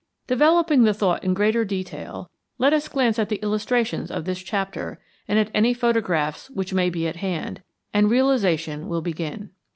Developing the thought in greater detail, let us glance at the illustrations of this chapter and at any photographs which may be at hand, and realization will begin.